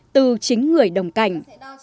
từ chính người đồng cảnh